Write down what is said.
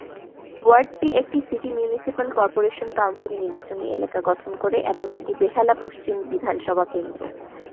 ওয়ার্ডটি একটি city municipal corporation council নির্বাচনী এলাকা গঠন করে এবং এটি বেহালা পশ্চিম বিধানসভা কেন্দ্র